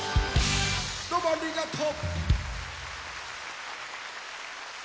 どうもありがとう。